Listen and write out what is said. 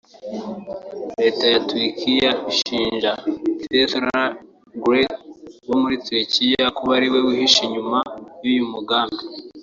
Leta ya Turikiya ishinja Fethullah Gulen uba muri Amerika kuba ariwe wihishe inyuma y’uyu mugambi